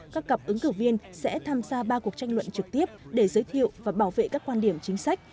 các cặp ứng cử viên sẽ tham gia ba cuộc tranh luận trực tiếp để giới thiệu và bảo vệ các quan điểm chính sách